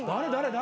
誰？